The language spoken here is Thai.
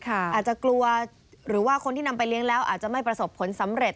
อาจจะกลัวหรือว่าคนที่นำไปเลี้ยงแล้วอาจจะไม่ประสบผลสำเร็จ